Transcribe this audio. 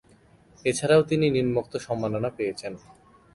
এছাড়াও তিনি নিম্নোক্ত সম্মাননা পেয়েছেন।